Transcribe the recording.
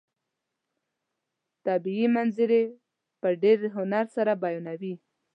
طبیعي منظرې په ډېر هنر سره بیانوي.